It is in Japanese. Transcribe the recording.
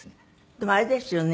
でもあれですよね。